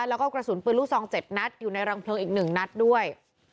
แล้วก็กระสุนปืนลูกซอง๗นัดอยู่ในรังเพลิงอีก๑นัดด้วย